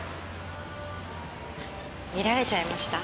見られちゃいました？